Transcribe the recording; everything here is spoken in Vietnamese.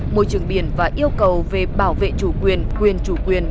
môi trường biển và yêu cầu về bảo vệ chủ quyền quyền chủ quyền